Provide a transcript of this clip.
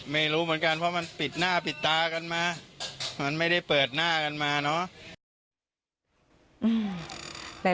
ไม่รู้เหมือนกันเพราะมันปิดหน้าปิดตากันมามันไม่ได้เปิดหน้ากันมาเนอะ